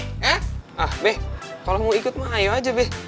hah ah be kalo mau ikut mah ayo aja be